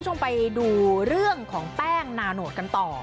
คุณผู้ชมไปดูเรื่องของแป้งนาโนดกันต่อ